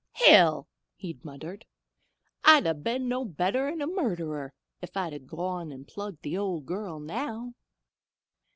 "Hell!" he muttered, "I'd 'a' been no better'n a murderer, 'f I'd 'a' gone an' plugged the Old Girl now!"